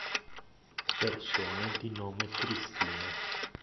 Persone di nome Cristina